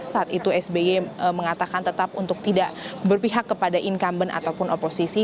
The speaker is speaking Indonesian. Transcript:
saat itu sby mengatakan tetap untuk tidak berpihak kepada incumbent ataupun oposisi